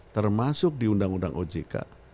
termasuk di undang undang ojk